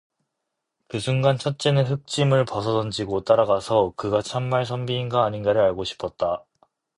그 순간 첫째는 흙짐을 벗어던지고 따라가서 그가 참말 선비인가 아닌가를 알고 싶었다.